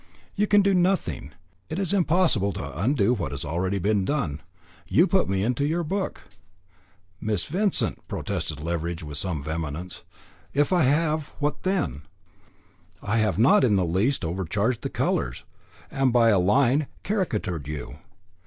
"You can do nothing. It is impossible to undo what has already been done. You put me into your book." "Miss Vincent," protested Leveridge with vehemence, "if I have, what then? I have not in the least overcharged the colours, by a line caricatured you."